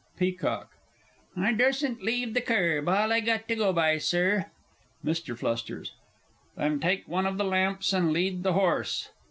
PEACOCK. I dursn't leave the kerb all I got to go by, Sir. MR. F. Then take one of the lamps, and lead the horse.